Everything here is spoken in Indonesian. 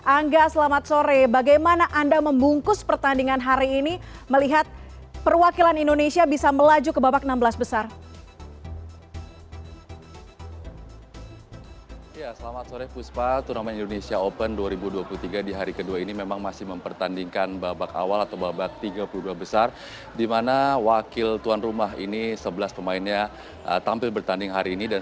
angga selamat sore bagaimana anda membungkus pertandingan hari ini melihat perwakilan indonesia bisa melaju ke babak enam belas besar